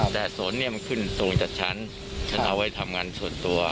แต่สนเนี่ยมันขึ้นตรงจากชั้นฉันเอาไว้ทำงานส่วนตัว